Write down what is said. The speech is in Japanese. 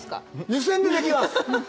湯煎でできます